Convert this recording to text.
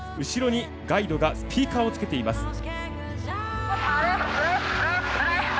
後ろにガイドがスピーカーをつけています。